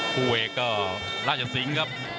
คู่เอกก็ราชสิงห์ครับ